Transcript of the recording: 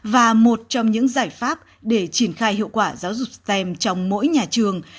và một trong những giải pháp để triển khai hiệu quả giáo dục stem trong mỗi nhà trường